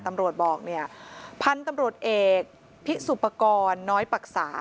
ตำรวจบอกเนี่ยพันธุ์ตำรวจเอกพิสุปกรณ์น้อยปรักษา